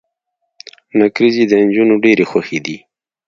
نکریزي د انجونو ډيرې خوښې دي.